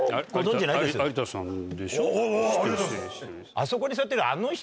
あそこに座ってる。